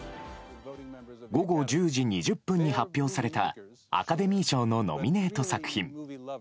午後１０時２０分に発表された、アカデミー賞のノミネート作品。